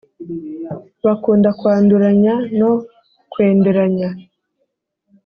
Bakunda kwanduranya no kwenderanya